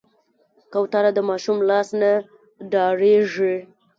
کوتره د ماشوم لاس نه ډارېږي.